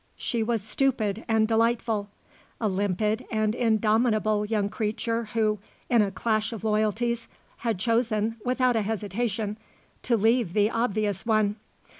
She was stupid and delightful; a limpid and indomitable young creature who, in a clash of loyalties, had chosen, without a hesitation, to leave the obvious one.